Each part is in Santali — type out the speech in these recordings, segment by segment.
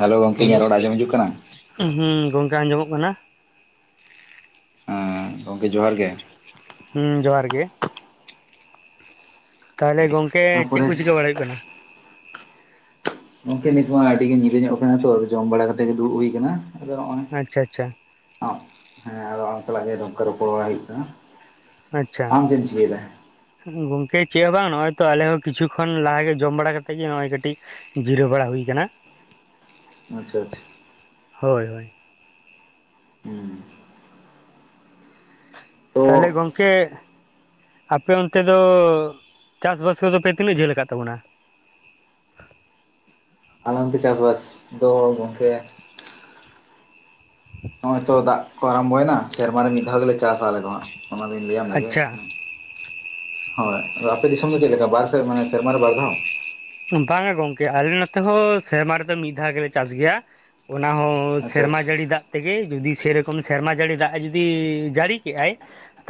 ᱦᱮᱞᱟ ᱜᱚᱢᱠᱮ ᱦᱮᱞᱳ ᱤᱧᱟᱜ ᱨᱚᱲ ᱟᱸᱡᱚᱢ ᱤᱡᱩᱜ ᱠᱟᱱᱟ? ᱦᱩᱸ ᱜᱚᱝᱠᱮ ᱟᱸᱡᱚᱢᱚᱜ ᱠᱟᱱᱟ ᱾ ᱜᱚᱢᱠᱮ ᱡᱚᱦᱟᱨ ᱜᱮ ᱾ ᱦᱩᱸ ᱡᱚᱦᱟᱨ ᱜᱮ ᱾ ᱛᱟᱦᱚᱞᱮ ᱜᱚᱝᱠᱮ ᱪᱮᱫ ᱠᱚ ᱛᱟᱯᱚᱨᱮ ᱪᱤᱠᱟᱹ ᱵᱟᱲᱟᱭ ᱦᱩᱭᱩᱜ ᱠᱟᱱᱟ? ᱜᱚᱝᱠᱮ ᱱᱤᱛ ᱢᱟ ᱟᱹᱰᱤ ᱜᱮ ᱧᱤᱫᱟᱹ ᱧᱚᱜ ᱠᱟᱱᱟ ᱛᱚ, ᱡᱚᱢ ᱵᱟᱲᱟ ᱠᱟᱛᱮ ᱜᱮ ᱫᱩᱲᱩᱵ ᱦᱩᱭ ᱠᱟᱱᱟ᱾ ᱟᱫᱚ ᱱᱚᱜᱼᱚᱭ ᱟᱪᱪᱷᱟ ᱟᱪᱪᱷᱟ ᱦᱮᱸ ᱟᱫᱚ ᱟᱢ ᱥᱟᱞᱟᱜ ᱜᱮ ᱱᱚᱝᱠᱟ ᱨᱚᱯᱚᱲ ᱵᱟᱲᱟᱭ ᱦᱩᱭᱩᱜ ᱠᱟᱱᱟ᱾ ᱟᱪᱪᱷᱟ᱾ ᱟᱢ ᱪᱮᱫ ᱮᱢ ᱪᱤᱠᱟᱹᱭᱮᱫᱟ? ᱜᱚᱝᱠᱮ ᱪᱮᱫ ᱦᱚᱸ ᱵᱟᱝ ᱱᱚᱜ-ᱚᱭ ᱛᱚ ᱟᱞᱮ ᱦᱚᱸ ᱠᱤᱪᱷᱩ ᱠᱷᱚᱱ ᱞᱟᱦᱟᱜᱮ ᱡᱚᱢ ᱵᱟᱲᱟ ᱠᱟᱛᱮᱜ ᱜᱮ ᱱᱚᱜᱼᱚᱭ ᱠᱟᱹᱴᱤᱡ ᱡᱤᱨᱟᱹᱣ ᱵᱟᱲᱟ ᱦᱩᱭ ᱠᱟᱱᱟ᱾ ᱟᱪᱪᱷᱟ ᱟᱪᱪᱷᱟ᱾ ᱦᱳᱭ ᱦᱳᱭ᱾ ᱦᱩᱸ ᱛᱚ ᱛᱟᱦᱞᱮ ᱜᱚᱝ ᱠᱮ ᱟᱯᱮ ᱚᱱᱛᱮ ᱫᱚ ᱪᱟᱥᱵᱟᱥ ᱠᱚᱫᱚ ᱯᱮ ᱛᱤᱱᱟᱹᱜ ᱡᱷᱟᱹᱞ ᱟᱠᱟᱫ ᱛᱟᱵᱚᱱᱟ? ᱟᱞᱮ ᱱᱚᱛᱮ ᱪᱟᱥᱵᱟᱥ ᱫᱚ ᱜᱚᱝᱠᱮ ᱱᱚᱜ-ᱚᱭ ᱛᱚ ᱫᱟᱜ ᱠᱚ ᱟᱨᱟᱢᱵᱚᱭᱮᱱᱟ ᱥᱮᱨᱢᱟᱨᱮ ᱢᱤᱫ ᱫᱷᱟᱣ ᱜᱮᱞᱮ ᱪᱟᱥᱟ ᱟᱞᱮ ᱫᱚ ᱦᱟᱸᱜ, ᱚᱱᱟ ᱫᱩᱧ ᱞᱟᱹᱭᱟᱢ ᱞᱮᱜᱮ ᱟᱪᱪᱷᱟ ᱢᱟᱱᱮ ᱦᱳᱭ᱾ ᱟᱫᱚ ᱟᱯᱮ ᱫᱤᱥᱚᱢ ᱫᱚ ᱪᱮᱫ ᱞᱮᱠᱟ ᱵᱟᱨᱥᱮᱫ, ᱢᱟᱱᱮ ᱥᱮᱨᱢᱟᱨᱮ ᱵᱟᱨ ᱫᱷᱟᱣ? ᱵᱟᱝᱟ ᱜᱚᱝᱠᱮ ᱟᱞᱮ ᱱᱚᱛᱮ ᱦᱚᱸ ᱥᱮᱨᱢᱟ ᱨᱮᱫᱚ ᱢᱤᱫ ᱫᱷᱟᱣ ᱜᱮᱞᱮ ᱪᱟᱥ ᱜᱮᱭᱟ᱾ ᱚᱱᱟ ᱦᱚᱸ ᱟᱪᱪᱷᱟ ᱥᱮᱨᱢᱟ ᱟᱪᱪᱷᱟ ᱡᱟᱹᱲᱤ ᱫᱟᱜ ᱛᱮᱜᱮ᱾ ᱡᱩᱫᱤ ᱥᱮᱨᱚᱠᱚᱢ ᱥᱮᱨᱢᱟ ᱡᱟᱹᱲᱤ ᱫᱟᱜ ᱡᱩᱫᱤ ᱡᱟᱹᱲᱤ ᱠᱮᱜ-ᱟᱭ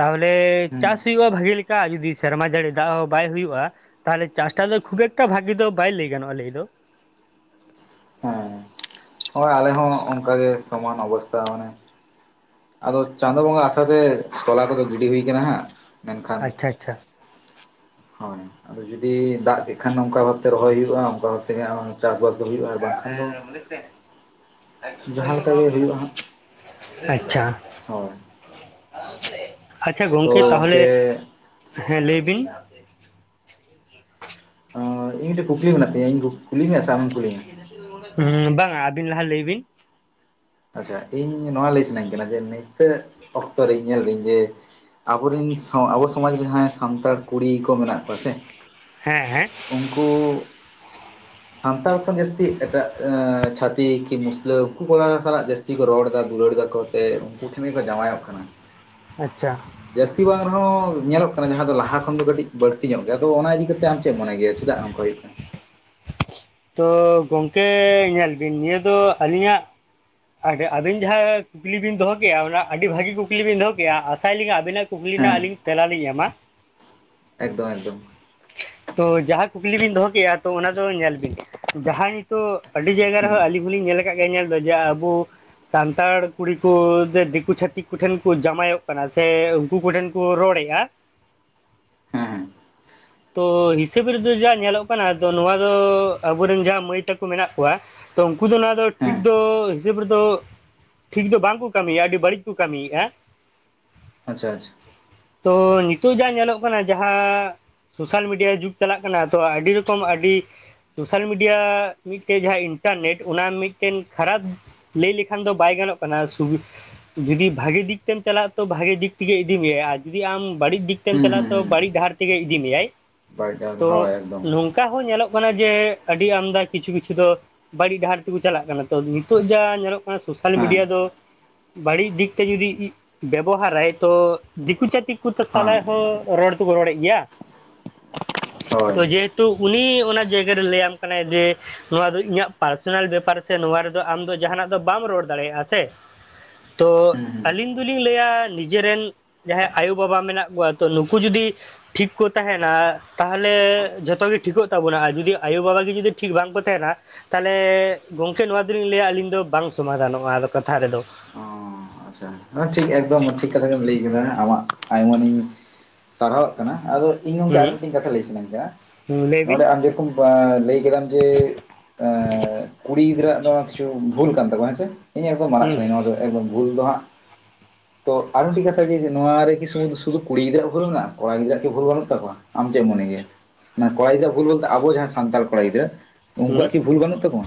ᱛᱟᱦᱚᱞᱮ ᱦᱩᱸ ᱪᱟᱥ ᱦᱩᱭᱩᱜ-ᱟ ᱵᱷᱟᱜᱤ ᱞᱮᱠ ᱠᱟ ᱡᱩᱫᱤ ᱥᱮᱨᱢᱟ ᱡᱟᱹᱲᱤ ᱫᱟᱜ ᱦᱚᱸ ᱵᱟᱭ ᱦᱩᱭᱩᱜ-ᱟ, ᱛᱟᱦᱞᱮ ᱪᱟᱥᱴᱟ ᱫᱚ ᱠᱷᱩᱵᱮ ᱴᱟ ᱵᱷᱟᱜᱤ ᱫᱚ ᱵᱟᱭ ᱞᱟᱹᱭ ᱜᱟᱱᱚᱜ-ᱟ ᱞᱟᱹᱭ ᱫᱚ᱾ ᱦᱚᱸ, ᱦᱳᱭ ᱟᱞᱮ ᱦᱚᱸ ᱚᱱᱠᱟ ᱜᱮ ᱥᱚᱢᱟᱱ ᱚᱵᱚᱥᱛᱟ ᱢᱟᱱᱮ ᱟᱫᱚ ᱪᱟᱸᱫᱚ ᱵᱚᱸᱜᱟ ᱟᱥᱟᱛᱮ ᱛᱚᱞᱟ ᱠᱚᱫᱚ ᱜᱤᱰᱤ ᱦᱩᱭ ᱠᱟᱱᱟ ᱦᱟᱸᱜ, ᱢᱮᱱᱠᱷᱟᱱ ᱟᱪᱪᱷᱟ ᱟᱪᱪᱷᱟ ᱦᱳᱭ ᱟᱫᱚ ᱡᱩᱫᱤ ᱫᱟᱜ ᱠᱮᱜᱠᱷᱟᱱ ᱚᱝᱠᱟ ᱵᱷᱟᱵᱛᱮ ᱨᱚᱦᱚᱭ ᱦᱩᱭᱩᱜ-ᱟ, ᱚᱝᱠᱟ ᱵᱷᱟᱵ ᱛᱮᱜᱮ ᱦᱟᱸᱜ ᱪᱟᱥᱵᱟᱥ ᱫᱚ ᱦᱩᱭᱩᱜᱼᱟ ᱟᱨ ᱵᱟᱝᱠᱷᱟᱱ ᱦᱮᱸ ᱫᱚ [unintelligible] ᱡᱟᱦᱟᱸ ᱞᱮᱠᱟ ᱜᱮ ᱦᱩᱭᱩᱜ-ᱟ ᱦᱟᱸᱜ᱾ ᱟᱪᱪᱷᱟ᱾ ᱦᱳᱭ᱾ ᱟᱪᱪᱷᱟ ᱛᱚ ᱜᱚᱝᱠᱮ ᱛᱟᱦᱚᱞᱮ, ᱜᱚᱝᱠᱮ ᱦᱮᱸ ᱞᱟᱹᱭ ᱵᱤᱱ᱾ ᱮᱸᱻ ᱤᱧ ᱢᱤᱫᱴᱮᱡ ᱠᱩᱠᱞᱤ ᱢᱮᱱᱟᱜ ᱛᱤᱧᱟᱹ, ᱤᱧ ᱠᱩ ᱠᱩᱞᱤ ᱢᱮᱭᱟ ᱥᱮ ᱟᱢᱮᱢ ᱠᱩᱞᱤᱧᱟ? ᱦᱩᱸᱻ ᱵᱟᱝᱟ ᱟᱹᱵᱤᱱ ᱞᱟᱦᱟ ᱞᱟᱹᱭ ᱵᱤᱱ᱾ ᱟᱪᱪᱷᱟ ᱤᱧ ᱱᱚᱣᱟ ᱞᱟᱹᱭ ᱥᱟᱱᱟᱹᱧ ᱠᱟᱱᱟ ᱡᱮ ᱱᱤᱛᱚᱜ ᱚᱠᱛᱚ ᱨᱤᱧ ᱧᱮᱞᱫᱟᱹᱧ ᱡᱮ ᱟᱵᱚᱨᱤᱱ ᱟᱵᱚ ᱥᱚᱢᱟᱡᱽ ᱨᱮ ᱡᱟᱦᱟᱸᱭ ᱥᱟᱱᱛᱟᱲ ᱠᱩᱲᱤ ᱠᱚ ᱢᱮᱱᱟᱜ ᱠᱚᱣᱟ ᱥᱮ ᱦᱮᱸ ᱦᱮᱸ᱾ ᱠᱩᱻ ᱥᱟᱱᱛᱟᱲ ᱠᱷᱚᱱ ᱡᱟᱹᱥᱛᱤ ᱮᱴᱟᱜ ᱪᱷᱟᱛᱤ ᱠᱤ ᱢᱩᱥᱞᱟᱹ‌ᱩᱝᱠᱩ ᱠᱚ ᱥᱟᱞᱟᱜ ᱡᱟᱹᱥᱛᱤ ᱠᱚ ᱨᱚᱲ ᱮᱫᱟ ᱫᱩᱞᱟᱹᱲ ᱫᱟᱠᱚ ᱛᱮ ᱩᱱᱠᱩ ᱴᱷᱮᱱ ᱜᱮᱠᱚ ᱡᱟᱶᱟᱭᱚᱜ ᱠᱟᱱᱟ᱾ ᱟᱪᱪᱷᱟ᱾ ᱡᱟᱹᱥᱛᱤ ᱵᱟᱝ ᱨᱮᱦᱚᱸ ᱧᱮᱞᱚᱜ ᱠᱟᱱᱟ ᱡᱟᱦᱟᱸ ᱫᱚ ᱞᱟᱦᱟ ᱠᱷᱚᱱ ᱫᱚ ᱠᱟᱹᱴᱤᱡ ᱵᱟᱹᱲᱛᱤ ᱧᱚᱜ ᱜᱮᱭᱟ, ᱟᱫᱚ ᱚᱱᱟ ᱤᱫᱤ ᱠᱟᱛᱮ ᱟᱢ ᱪᱮᱫ ᱢᱚᱱᱮ ᱜᱮᱭᱟ ᱡᱮ? ᱪᱮᱫᱟᱜ ᱱᱚᱝᱠᱟ ᱦᱩᱭᱩᱜ ᱠᱟᱱᱟ? ᱛᱚ, ᱜᱚᱝᱠᱮ ᱧᱮᱞ ᱵᱤᱱ ᱱᱤᱭᱟᱹ ᱫᱚ ᱟᱹᱞᱤᱧᱟᱜ ᱟᱨ ᱟᱹᱵᱤᱱ ᱡᱟᱦᱟᱸ ᱠᱩᱠᱞᱤ ᱵᱤᱱ ᱫᱚᱦᱚ ᱠᱮᱜ-ᱟ ᱚᱱᱟ ᱟᱹᱰᱤ ᱵᱷᱟᱹᱜᱤ ᱠᱩᱠᱞᱤ ᱵᱤᱱ ᱫᱚᱦᱚ ᱠᱮᱜ-ᱟ ᱟᱥᱟᱭ ᱴᱟᱞᱤᱧ ᱟᱹᱵᱤᱱᱟᱜ ᱠᱩᱠᱞᱤ ᱨᱮᱱᱟᱜ ᱦᱮᱸ ᱟᱹᱞᱤᱧ ᱛᱮᱞᱟᱞᱤᱧ ᱮᱢᱟ᱾ ᱮᱠᱫᱚᱢ ᱮᱠᱫᱚᱢ᱾ ᱛᱚ ᱡᱟᱦᱟᱸ ᱠᱩᱠᱞᱤ ᱵᱤᱱ ᱫᱚᱦᱚ ᱠᱮᱜ-ᱟ ᱛᱚ ᱚᱱᱟ ᱫᱚ ᱧᱮᱞ ᱵᱤᱱ ᱡᱟᱦᱟᱧ ᱛᱚ, ᱟᱹᱰᱤ ᱡᱟᱭᱜᱟ ᱦᱮᱸ ᱨᱮᱦᱚᱸ ᱟᱹᱞᱤᱧ ᱦᱚᱸᱞᱤᱧ ᱧᱮᱞ ᱠᱟᱫ ᱜᱮᱭᱟ ᱧᱮᱞᱫᱚ ᱡᱮ ᱟᱵᱚ ᱥᱟᱱᱛᱟᱲ ᱠᱩᱲᱤ ᱠᱚ ᱫᱮ ᱫᱤᱠᱩ ᱪᱷᱟᱹᱛᱤᱠ ᱠᱚᱴᱷᱮᱱ ᱠᱚ ᱡᱟᱶᱟᱭᱚᱜ ᱠᱟᱱᱟ ᱥᱮ ᱩᱝᱠᱩ ᱠᱚ ᱴᱷᱮᱱ ᱠᱚ ᱨᱚᱲᱮᱜ-ᱟ ᱦᱮᱸ ᱛᱚ ᱦᱤᱥᱟᱹᱵᱽ ᱨᱮᱫᱚ ᱡᱟ ᱧᱮᱞᱚᱜ ᱠᱟᱱᱟ ᱱᱚᱣᱟ ᱫᱚ ᱟᱵᱚᱨᱮᱱ ᱡᱟᱦᱟᱸ ᱢᱟᱹᱭ ᱛᱟᱠᱚ ᱢᱮᱱᱟᱜ ᱠᱚᱣᱟ ᱛᱚ, ᱩᱝᱠᱩ ᱫᱚ ᱱᱚᱣᱟ ᱫᱚ ᱴᱷᱤᱠ ᱦᱮᱸ ᱫᱚ ᱦᱤᱥᱟᱹᱵ ᱨᱮᱫᱚ ᱴᱷᱤᱠ ᱫᱚ ᱵᱟᱝ ᱠᱚ ᱠᱟᱹᱢᱤᱭᱮᱫ-ᱟ, ᱟᱹᱰᱤ ᱵᱟᱹᱲᱤᱡ ᱠᱚ ᱠᱟᱹᱢᱤᱭᱮᱫ-ᱟ᱾ ᱟᱪᱪᱷᱟᱼᱟᱪᱪᱷᱟ᱾ ᱛᱚ ᱱᱤᱛᱳᱜ ᱡᱟ ᱧᱮᱞᱚᱜ ᱠᱟᱱᱟ ᱡᱟᱦᱟᱸ ᱥᱳᱥᱟᱞ ᱢᱤᱰᱤᱭᱟ ᱡᱩᱜᱽ ᱪᱟᱞᱟᱜ ᱠᱟᱱᱟ ᱛᱚ ᱟᱹᱰᱤ ᱨᱚᱠᱚᱢ ᱟᱹᱰᱤ ᱥᱳᱥᱟᱞ ᱢᱤᱰᱤᱭᱟ ᱢᱤᱫᱴᱮᱱ ᱡᱟᱦᱟᱸ ᱤᱱᱴᱟᱨᱱᱮᱴ ᱚᱱᱟ ᱢᱤᱫᱴᱮᱱ ᱠᱷᱟᱨᱟᱯ ᱞᱟᱹᱭ ᱞᱮᱠᱷᱟᱱ ᱫᱚ ᱵᱟᱭ ᱜᱟᱱᱚᱜ ᱠᱟᱱᱟ ᱡᱩᱫᱤ ᱵᱷᱟᱜᱮ ᱫᱤᱠ ᱛᱮᱢ ᱪᱟᱞᱟᱜ-ᱟ ᱛᱚ ᱵᱷᱟᱜᱮ ᱫᱤᱠ ᱛᱮᱜᱮ ᱤᱫᱤ ᱢᱮᱟᱭ ᱟᱨ ᱡᱩᱫᱤ ᱟᱢ ᱵᱟᱹᱲᱤᱡ ᱫᱤᱠ ᱛᱮ ᱛᱮᱢ ᱦᱩᱸ ᱦᱩᱸ ᱪᱟᱞᱟᱜᱼᱟ ᱛᱚ ᱦᱩᱸ ᱵᱟᱹᱲᱤᱡ ᱰᱟᱦᱟᱨ ᱛᱮᱜᱮ ᱤᱫᱤ ᱢᱮᱭᱟᱭ ᱵᱟᱭ ᱛᱚ ᱦᱳᱭ ᱮᱠᱫᱚᱢ ᱱᱚᱝ ᱚᱝᱠᱟ ᱦᱚᱸ ᱧᱮᱞᱚᱜ ᱠᱟᱱᱟ ᱡᱮ ᱟᱹᱰᱤ ᱟᱢᱫᱟ ᱠᱤᱪᱷᱩ ᱠᱤᱪᱷᱩ ᱫᱚ ᱵᱟᱹᱲᱤᱡ ᱰᱟᱦᱟᱨ ᱛᱮᱠᱚ ᱪᱟᱞᱟᱜ ᱠᱟᱱᱟ ᱛᱚ ᱱᱤᱛᱚᱜ ᱡᱟ ᱧᱮᱞᱚᱜ ᱠᱟᱱᱟ ᱥᱳᱥᱟᱞ ᱦᱮᱸ ᱢᱤᱰᱤᱭᱟ ᱫᱚ ᱵᱟᱹᱲᱤᱡ ᱫᱤᱠ ᱛᱮ ᱡᱩᱫᱤ ᱵᱮᱵᱚᱦᱟᱨᱟᱭ ᱛᱚ ᱫᱤᱠᱩ ᱪᱷᱟᱹᱛᱤᱠ ᱩᱱᱠᱩ ᱦᱮᱸ ᱥᱟᱞᱟᱭ ᱦᱚᱸ ᱨᱚᱲ ᱫᱚᱵᱚ ᱨᱚᱲᱮᱫ ᱜᱮᱭᱟ? ᱦᱳᱭ ᱛᱚ ᱡᱮᱦᱮᱛᱩ ᱩᱱᱤ ᱚᱱᱟ ᱡᱟᱭᱜᱟᱨᱮ ᱞᱟᱹᱭᱟᱢ ᱠᱟᱱᱟᱭ ᱡᱮ ᱱᱚᱣᱟ ᱫᱚ ᱤᱧᱟᱹᱜ ᱯᱟᱨᱥᱚᱱᱟᱞ ᱵᱮᱯᱟᱨ ᱥᱮ ᱱᱚᱣᱟ ᱨᱮᱫᱚ ᱟᱢ ᱫᱚ ᱡᱟᱦᱟᱱᱟᱜ ᱫᱚ ᱵᱟᱢ ᱨᱚᱲ ᱫᱟᱲᱮᱭᱟᱜᱼᱟ ᱥᱮ᱾ ᱛᱚ ᱦᱩᱸ ᱦᱩᱸ ᱟᱹᱞᱤᱧ ᱫᱚᱞᱤᱧ ᱞᱟᱹᱭᱟ ᱱᱤᱡᱮᱨᱮᱱ, ᱡᱟᱦᱟᱸᱭ ᱟᱭᱳᱼᱵᱟᱵᱟ ᱢᱮᱱᱟᱜ ᱠᱚᱣᱟ ᱛᱚ ᱱᱩᱠᱩ ᱡᱩᱫᱤ ᱴᱷᱤᱠ ᱠᱚ ᱛᱟᱦᱮᱱᱟ ᱛᱟᱦᱚᱞᱮ ᱡᱷᱚᱛᱚ ᱜᱮ ᱴᱷᱤᱠᱚᱜ ᱛᱟᱵᱚᱱᱟ ᱟᱨ ᱡᱩᱫᱤ ᱟᱭᱳᱼᱵᱟᱵᱟ ᱜᱮ ᱡᱩᱫᱤ ᱴᱷᱤᱠ ᱵᱟᱝᱠᱚ ᱛᱟᱦᱮᱱᱟ᱾ ᱛᱟᱦᱚᱞᱮ ᱜᱚᱝᱠᱮ ᱱᱚᱣᱟ ᱫᱚᱞᱤᱧ ᱞᱟᱹᱭᱟ ᱟᱹᱞᱤᱧ ᱫᱚ ᱵᱟᱝ ᱥᱚᱢᱟᱫᱷᱟᱱᱚᱜᱼᱟ ᱟ ᱠᱟᱛᱷᱟ ᱨᱮᱫᱚ᱾ ᱚ ᱟᱪᱪᱷᱟ ᱴᱷᱤᱠ ᱮᱠᱫᱚᱢ ᱴᱷᱤᱠ ᱠᱟᱛᱷᱟ ᱜᱮᱢ ᱞᱟᱹᱭ ᱠᱟᱫᱟ ᱟᱢᱟᱜ ᱟᱭᱢᱟᱹᱱᱤᱧ ᱥᱟᱨᱦᱟᱣᱟᱜ ᱠᱟᱱᱟ ᱟᱫᱚ ᱤᱧ ᱜᱚᱝᱠᱮ ᱟᱨ ᱦᱩᱸ ᱢᱤᱫᱴᱮᱱ ᱠᱟᱛᱷᱟ ᱞᱟᱹᱭ ᱥᱟᱱᱟᱧ ᱠᱟᱱᱟ ᱞᱟᱹᱭ ᱵᱤᱱ ᱱᱚᱰᱮ ᱟᱢ ᱡᱮᱨᱚᱠᱚᱢ ᱞᱟᱹᱭ ᱠᱮᱫᱟᱢ ᱡᱮ ᱮ ᱠᱩᱲᱤ ᱜᱤᱫᱽᱨᱟᱹ ᱟᱜ ᱫᱚ ᱠᱤᱪᱷᱩ ᱵᱷᱩᱞ ᱠᱟᱱ ᱛᱟᱠᱚᱣᱟ ᱦᱮᱸᱥᱮ? ᱤᱧ ᱮᱠᱫᱚᱢ ᱢᱟᱱᱟᱜ ᱦᱩᱸ ᱠᱟᱹᱱᱟᱧ ᱱᱚᱣᱟ ᱫᱚ ᱮᱠᱫᱚᱢ ᱵᱷᱩᱞ ᱫᱚ ᱦᱟᱸᱜ ᱛᱚ ᱟᱨ ᱢᱤᱫᱴᱤᱡ ᱠᱟᱛᱷᱟ ᱡᱮ ᱱᱚᱣᱟ ᱨᱮ ᱠᱤ ᱥᱩᱫᱷᱩ ᱥᱤᱫᱷᱩ ᱠᱩᱲᱤ ᱜᱤᱫᱽᱨᱟᱹ ᱵᱷᱩᱞ ᱢᱮᱱᱟᱜᱼᱟ, ᱠᱚᱲᱟ ᱜᱤᱫᱽᱨᱟᱹ ᱠᱤ ᱵᱷᱩᱞ ᱵᱟᱹᱱᱩᱜ ᱛᱟᱠᱚᱣᱟ? ᱟᱢ ᱪᱮᱫ ᱢᱚᱱᱮ ᱜᱮᱭᱟ ᱢᱟᱱᱮ ᱠᱚᱲᱟ ᱜᱤᱫᱽᱨᱟᱹ ᱟᱜ ᱵᱷᱩᱞ ᱵᱚᱞᱛᱮ ᱟᱵᱚ ᱡᱟᱦᱟᱸᱭ ᱥᱟᱱᱛᱟᱲ ᱠᱚᱲᱟ ᱜᱤᱫᱽᱨᱟᱹ, ᱩᱱᱠᱩᱣᱟᱜ ᱦᱩᱸ ᱠᱤ ᱵᱷᱩᱞ ᱵᱟᱹᱱᱩᱜ ᱛᱟᱠᱚᱣᱟ?